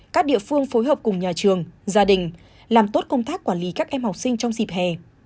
các địa phương phối hợp cùng nhà trường gia đình làm tốt công tác quản lý các em học sinh trong dịp hè